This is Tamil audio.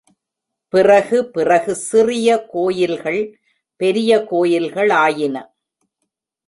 பிறகு பிறகு சிறிய கோயில்கள் பெரிய கோயில்களாயின.